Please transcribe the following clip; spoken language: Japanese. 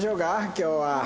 今日は。